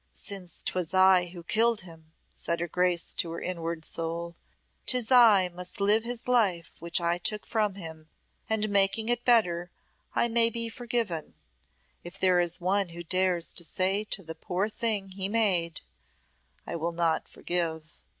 "Since 'twas I who killed him," said her Grace to her inward soul, "'tis I must live his life which I took from him, and making it better I may be forgiven if there is One who dares to say to the poor thing He made, 'I will not forgive.'"